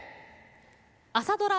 朝ドラ